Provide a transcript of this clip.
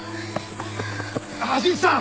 橋口さん